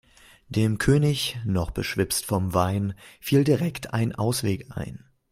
Dem König, noch beschwipst vom Wein, fiel direkt ein Ausweg ein.